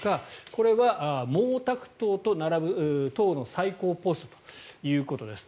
これは毛沢東と並ぶ党の最高ポストということです。